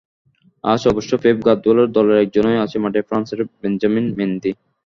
আজ অবশ্য পেপ গার্দিওলার দলের একজনই আছে মাঠে, ফ্রান্সের বেঞ্জামিন মেন্দি।